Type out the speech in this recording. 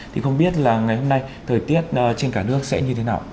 thì không biết là ngày hôm nay thời tiết trên cả nước sẽ như thế nào